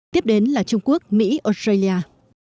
tiếp đến là trung quốc mỹ australia